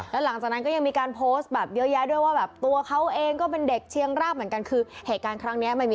แล้วหลังจากนั้นก็ยังมีการโพสต์แบบเยอะแยะด้วยว่าแบบตัวเค้าเองก็เป็นเด็กเชียงรากเหมือนกัน